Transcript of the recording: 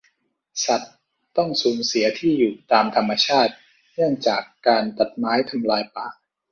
สัตว์ต้องสูญเสียที่อยู่ตามธรรมชาติ เนื่องจากการตัดไม้ทำลายป่า